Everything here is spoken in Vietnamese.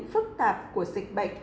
phức tạp của dịch bệnh